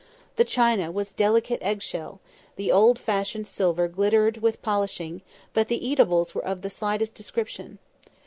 The china was delicate egg shell; the old fashioned silver glittered with polishing; but the eatables were of the slightest description.